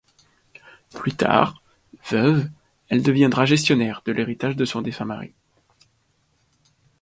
Plus tard, veuve, elle deviendra gestionnaire de l'héritage de son défunt mari.